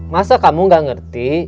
masa kamu gak ngerti